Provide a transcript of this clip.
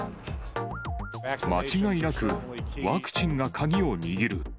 間違いなくワクチンが鍵を握る。